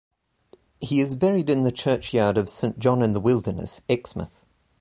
He is buried in the churchyard of Saint John-in-the-Wilderness, Exmouth.